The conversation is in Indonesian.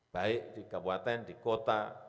baik di kabupaten di kota